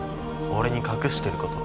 俺に隠してること。